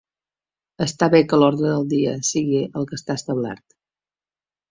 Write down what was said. Està bé que l’ordre del dia sigui el que està establert.